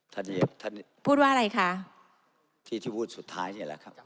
ท่านพูดว่าอะไรคะที่ที่พูดสุดท้ายเนี่ยแหละครับ